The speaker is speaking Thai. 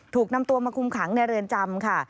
ถูกนำตัวมาคุมขังในเรือนจำค่ะ